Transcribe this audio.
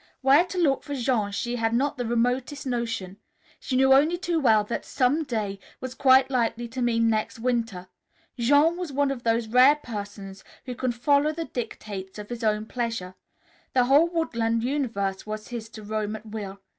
Where to look for Jean she had not the remotest notion. She knew only too well that "som day" was quite likely to mean next winter. Jean was one of those rare persons who can follow the dictates of his own pleasure. The whole woodland universe was his to roam at will.